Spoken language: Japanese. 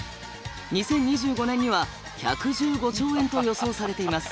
２０２５年には１１５兆円と予想されています。